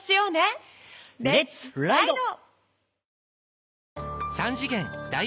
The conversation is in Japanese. レッツライド！